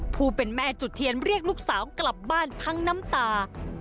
ผู้เป็นแม่จุดเทียนเรียกลูกสาวกลับบ้านทั้งน้ำตา